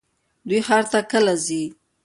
دوی ښار ته کله ځي؟